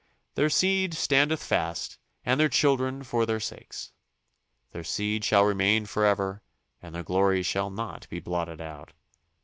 Their seed standeth fast and their children for their sakes. Their seed shall remain forever and their glory shall not be blotted out.